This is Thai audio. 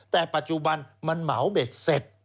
แต่ปัจจุบันมันเหมาเบ็ดเสร็จ